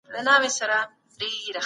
بې پلانه کار پايله نلري.